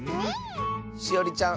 しおりちゃん